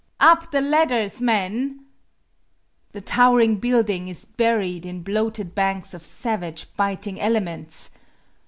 "Up the ladders, men!" The towering building is buried in bloated banks of savage, biting elements.